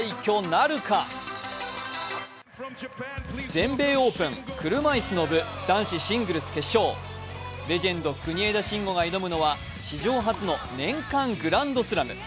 全米オープン車いすの部男子シングルス決勝レジェンド・国枝慎吾が挑むのは史上初の年間グランドスラム。